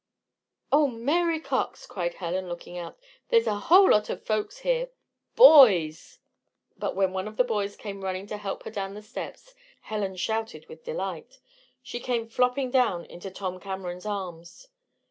"Oh, Mary Cox!" cried Helen, looking out, "there's a whole lot of folks here BOYS!" But when one of the boys came running to help her down the steps, Helen shouted with delight. She came "flopping" down into Tom Cameron's arms.